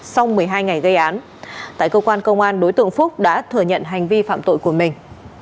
sau một mươi hai ngày gây án tại cơ quan công an đối tượng phúc đã thừa nhận hành vi phạm tội của mình